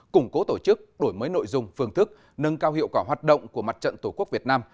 củng cố tổ chức đổi mới nội dung phương thức nâng cao hiệu quả hoạt động của mặt trận tổ quốc việt nam